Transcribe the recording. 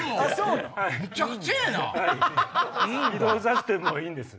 えぇええぇ⁉移動させてもいいんです。